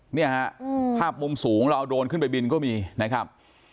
เนี่ยฮะภาพมุมสูงเราเอาโดรนขึ้นไปบินก็มีนะครับ